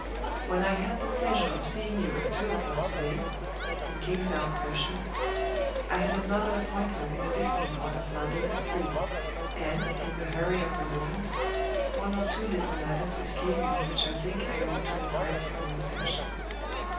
When I had the pleasure of seeing you at two o'clock to day, in Kingsdown Crescent, I had another appointment in a distant part of London at three; and, in the hurry of the moment, one or two little matters escaped me which I think I ought to impress on your attention.